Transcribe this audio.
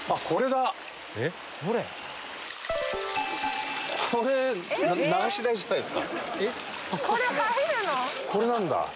これなんだ？